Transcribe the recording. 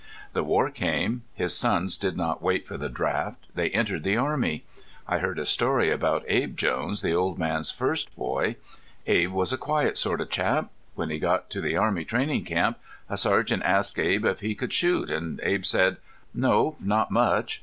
The war came. His sons did not wait for the draft. They entered the army. I heard a story about Abe Jones, the old man's first boy. Abe was a quiet sort of chap. When he got to the army training camp a sergeant asked Abe if he could shoot. Abe said: 'Nope, not much.'